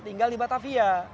tinggal di batavia